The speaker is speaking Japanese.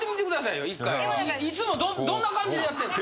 いつもどんな感じでやってんの？